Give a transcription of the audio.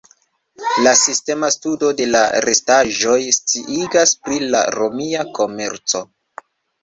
La sistema studo de la restaĵoj sciigas pri la romia komerco.